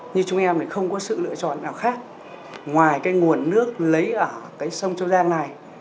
như chúng em thì không có sự lựa chọn nào khác ngoài cái nguồn nước lấy ở cái sông châu giang này